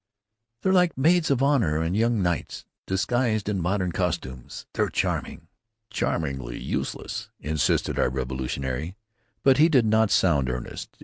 "They're like maids of honor and young knights, disguised in modern costumes! They're charming!" "Charmingly useless," insisted our revolutionary, but he did not sound earnest.